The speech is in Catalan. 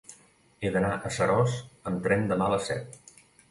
He d'anar a Seròs amb tren demà a les set.